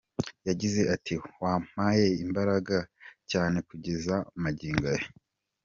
Yagize ati “mwampaye imbaraga cyane kugeza magingo aya.